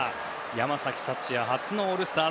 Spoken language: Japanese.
山崎福也、初のオールスター。